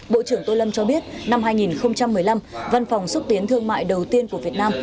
bộ trưởng tô lâm cho biết năm hai nghìn một mươi năm văn phòng xúc tiến thương mại đầu tiên của việt nam